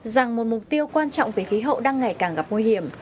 rằng một mục tiêu quan trọng về khí hậu đang ngày càng gặp nguy hiểm